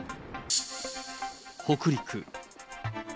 北陸。